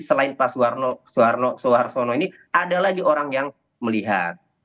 selain pak suwarno suharsono ini ada lagi orang yang melihat